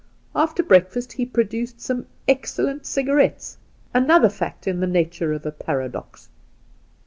After breakfast he produced some excellent cigarettes — another fact in the nature of a paradox.